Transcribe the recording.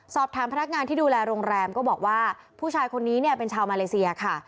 พนักงานที่ดูแลโรงแรมก็บอกว่าผู้ชายคนนี้เนี่ยเป็นชาวมาเลเซียค่ะ